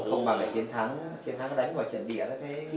không bằng cái triển thắng triển thắng nó đánh vào trận đỉa nó thế